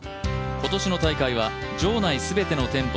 今年の大会は、場内全ての店舗